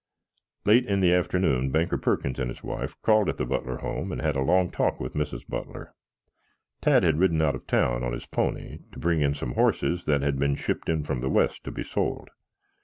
Late in the afternoon Banker Perkins and his wife called at the Butler home and had a long talk with Mrs. Butler. Tad had ridden out of town on his pony to bring in some horses that had been shipped in from the west to be sold.